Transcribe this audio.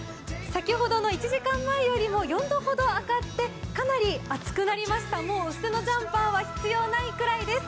先ほどの１時間前よりも４度ほど上がってかなり暑くなりました、もう薄手のジャンパーは必要ないくらいです。